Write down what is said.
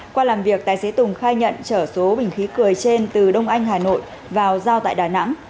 qua làm việc tài xế tùng khai nhận chở số bình khí cười trên từ đông anh hà nội vào giao tại đà nẵng